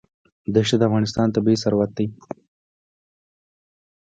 دښتې د افغانستان طبعي ثروت دی.